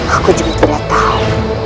aku juga tidak tahu